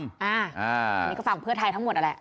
นี่ก็ฝากเพื่อไทยทั้งหมดอะแหละ